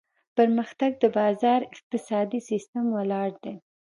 پرمختګ د بازار اقتصادي سیستم ولاړ دی.